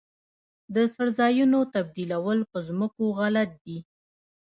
د څړځایونو تبدیلول په ځمکو غلط دي.